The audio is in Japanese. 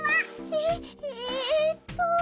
えっえっと。